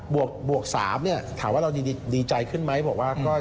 บวก๓เนี่ยถามว่าเราดีใจขึ้นไหมบอกว่า